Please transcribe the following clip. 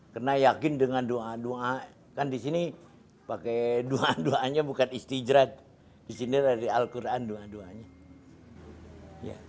karena yakin dengan doa doa kan di sini pakai doa doanya bukan istijrat di sini dari al quran doa doanya